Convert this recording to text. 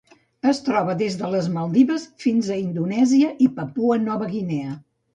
Es troba des de les Maldives fins a Indonèsia i Papua Nova Guinea.